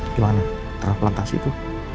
gimana terlantas itu